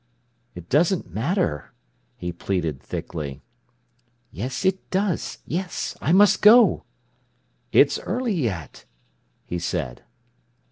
"It doesn't matter," he pleaded thickly. "Yes it does—yes! I must go!" "It's early yet," he said.